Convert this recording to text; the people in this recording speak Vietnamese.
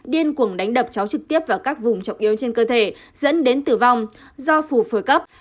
điên cuồng đánh đập cháu trực tiếp vào các vùng trọng yếu trên cơ thể dẫn đến tử vong do phù phổi cấp